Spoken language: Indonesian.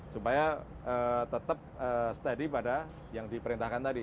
supaya tetap steady pada yang diperintahkan tadi satu ratus delapan puluh enam